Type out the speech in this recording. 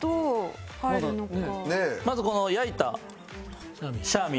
まずこの焼いたシャーミーですね。